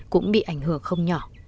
cũng bị ảnh hưởng không nhỏ